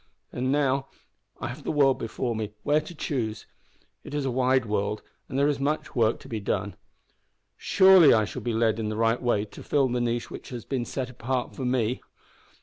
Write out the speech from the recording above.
And now I have the world before me where to choose. It is a wide world, and there is much work to be done. Surely I shall be led in the right way to fill the niche which has been set apart for me.